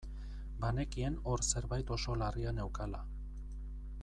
Banekien hor zerbait oso larria neukala.